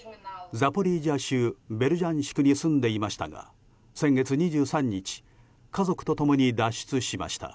ザポリージャ州ベルジャンシクに住んでいましたが先月２３日家族と共に脱出しました。